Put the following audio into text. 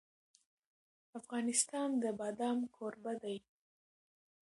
افغانستان د بادام کوربه دی.